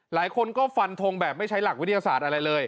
หลายคนก็ฟันทงแบบไม่ใช้หลักวิทยาศาสตร์อะไรเลย